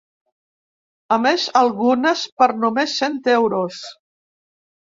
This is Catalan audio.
A més, algunes per només cent euros.